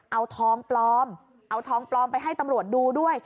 เอาทองปลอมเอาทองปลอมไปให้ตำรวจดูด้วย